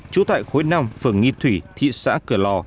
trú tại khối năm phường nghị thủy thị xã cửa lò